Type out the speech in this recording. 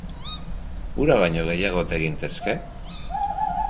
Hura baino gehiago ote gintezke?